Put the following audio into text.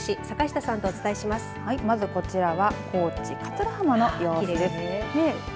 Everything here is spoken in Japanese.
まずこちらは高知桂浜の様子です。